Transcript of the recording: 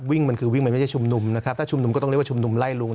วิ่งมันคือวิ่งมันไม่ใช่ชุมนุมนะครับถ้าชุมนุมก็ต้องเรียกว่าชุมนุมไล่ลุง